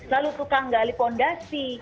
lalu tukang gali fondasi